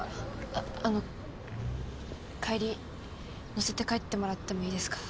あっあの帰り乗せて帰ってもらってもいいですか？